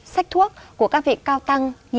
sách thuốc của các vị cao tăng